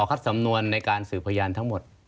ครับสำนวนในการสืบพยานทั้งหมด